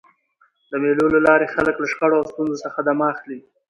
د مېلو له لاري خلک له شخړو او ستونزو څخه دمه اخلي.